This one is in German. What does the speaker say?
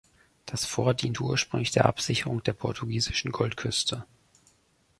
Das Fort diente ursprünglich der Absicherung der Portugiesischen Goldküste.